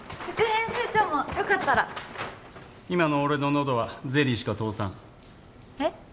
副編集長もよかったら今の俺の喉はゼリーしか通さんえっ？